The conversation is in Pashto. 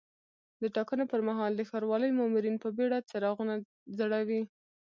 د ټاکنو پر مهال د ښاروالۍ مامورین په بیړه څراغونه ځړوي.